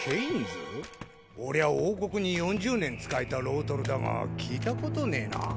おりゃ王国に４０年仕えたロートルだが聞いたことねぇな。